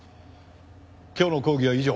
今日の講義は以上。